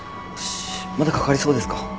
まだかかりそうですか？